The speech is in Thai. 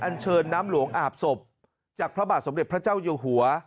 เชิญน้ำหลวงอาบศพจากพระบาทสมเด็จพระเจ้าอยู่หัว